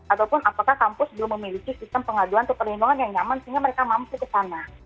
ataupun apakah kampus belum memiliki sistem pengaduan atau perlindungan yang nyaman sehingga mereka mampu ke sana